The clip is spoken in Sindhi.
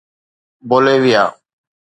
بوليويا